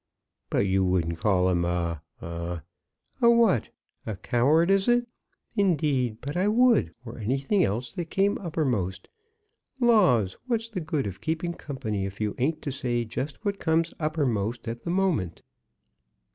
"But you wouldn't call him a a " "A what? A coward, is it? Indeed but I would, or anything else that came uppermost. Laws! what's the good of keeping company if you ain't to say just what comes uppermost at the moment.